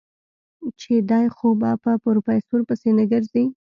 چې دی خو به په پروفيسر پسې نه ګرځي.